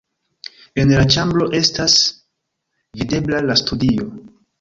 En la ĉambro estas videbla la studio.